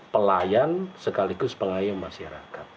pelayan sekaligus pengayang masyarakat